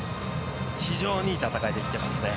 非常にいい戦いできてますね。